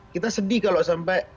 kita sedih kalau sampai